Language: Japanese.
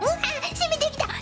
攻めてきた！